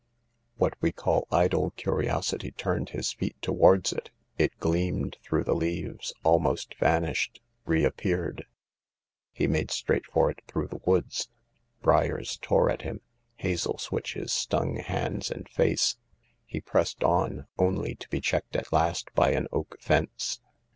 What we call idle curiosity turned his feet towards it. It gleamed through the leaves, almost vanished, reappeared. He made straight for it through the wood ; briars tore at him, hazel switches stung hands and face ; he pressed on, only to be checked at last by an oak fence.